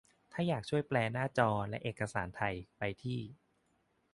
ถ้าอยากช่วยแปลหน้าจอและเอกสารเป็นไทย ไปที่